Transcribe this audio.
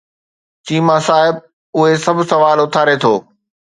چيما صاحب اهي سڀ سوال اٿاري ٿو.